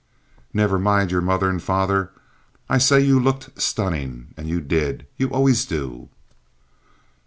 "Never mind your mother and father. I say you looked stunning, and you did. You always do."